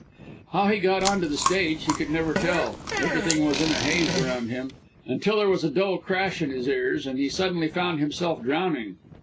How he got on to the stage he could never tell. Everything was in a haze around him, until there was a dull crash in his ears, and he suddenly found himself drowning.